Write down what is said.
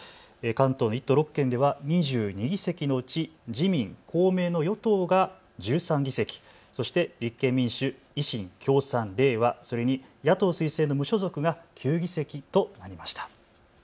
関東の１都６県では２２議席のうち自民、公明の与党が１３議席、そして立憲民主、維新、共産、れいわ、それに野党推薦の無所属が９議席となりました。